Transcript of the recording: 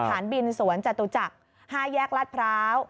ฐานบินสวนจตุจักร๕แยกลาดพร้าว